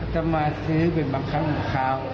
จะมาซื้อเป็นบางครั้งบางคราว